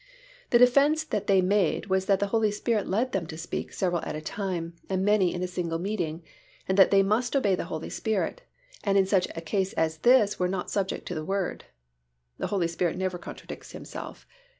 The defense that they made was that the Holy Spirit led them to speak several at a time and many in a single meeting and that they must obey the Holy Spirit, and in such a case as this were not subject to the Word. The Holy Spirit never contradicts Himself.